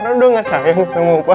rara udah gak sayang sama opa